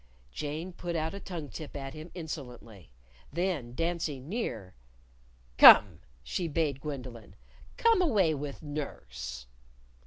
Jane put out a tongue tip at him insolently. Then dancing near, "Come!" she bade Gwendolyn. "Come away with Nurse."